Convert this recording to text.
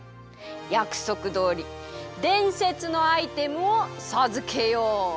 やくそくどおりでんせつのアイテムをさずけよう。